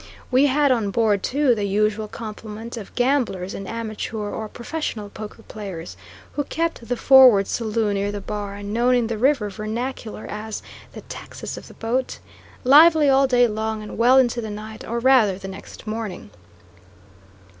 We had on board, too, the usual complement of gamblers and amateur or professional poker players, who kept the forward saloon near the bar, and known in the river vernacular as the "Texas" of the boat, lively all day long and well into the night, or rather the next morning.